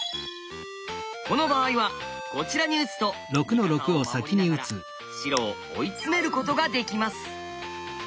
この場合はこちらに打つと味方を守りながら白を追い詰めることができます。